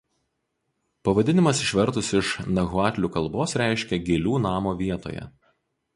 Pavadinimas išvertus iš nahuatlių kalbos reiškia „gėlių namo vietoje“.